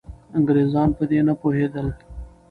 انګریزان په دې نه پوهېدل.